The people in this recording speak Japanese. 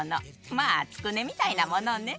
まあつくねみたいなものね。